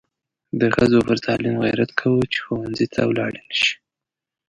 د ښځو پر تعلیم غیرت کوو چې ښوونځي ته ولاړې نشي.